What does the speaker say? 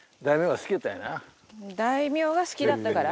大名が好きだったから？